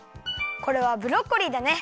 これはブロッコリーだね。